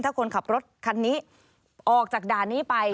ถ้าคนขับรถคันนี้ออกจากด่านนี้ไป